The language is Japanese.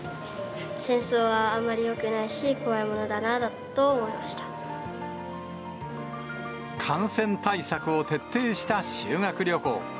戦争はあんまりよくないし、感染対策を徹底した修学旅行。